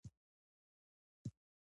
که باور وي نو استعداد نه مري.